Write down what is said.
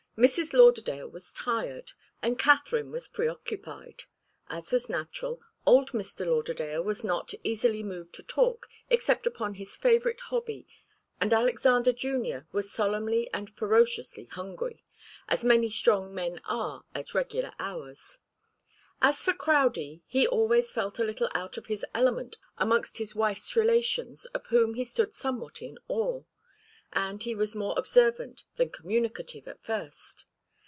Mrs. Lauderdale was tired, and Katharine was preoccupied; as was natural, old Mr. Lauderdale was not easily moved to talk except upon his favourite hobby, and Alexander Junior was solemnly and ferociously hungry, as many strong men are at regular hours. As for Crowdie, he always felt a little out of his element amongst his wife's relations, of whom he stood somewhat in awe, and he was more observant than communicative at first.